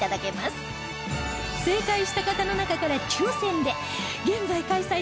正解した方の中から抽選で現在開催中